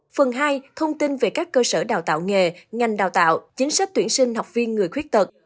phần hai thông tin về các cơ sở đào tạo nghề ngành đào tạo chính sách tuyển sinh học viên người khuyết tật